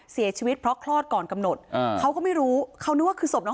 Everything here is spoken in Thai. เสียชีวิตเพราะคลอดก่อนกำหนดอ่าเขาก็ไม่รู้เขานึกว่าคือศพน้อง